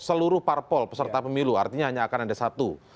seluruh partai politik beserta pemilu artinya hanya akan ada satu